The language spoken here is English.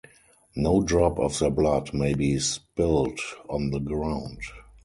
No drop of their blood may be spilt on the ground.